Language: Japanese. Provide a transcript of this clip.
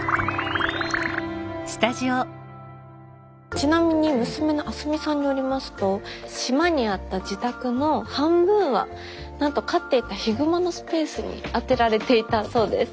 ちなみに娘の明日美さんによりますと島にあった自宅の半分はなんと飼っていたヒグマのスペースに充てられていたそうです。